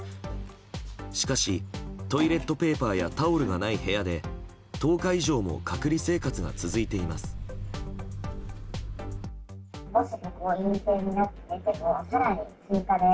しかし、トイレットペーパーやタオルがない部屋で１０日以上も隔離生活が続いています。